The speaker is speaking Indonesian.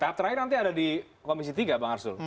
tahap terakhir nanti ada di komisi tiga bang arsul